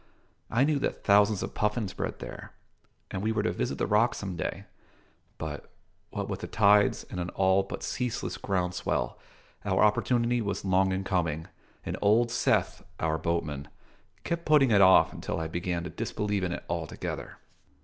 I knew that thousands of puffins bred there, and we were to visit the rock some day; but, what with the tides and an all but ceaseless ground swell, our opportunity was long in coming, and Old Seth (our boatman) kept putting it off until I began to disbelieve in it altogether.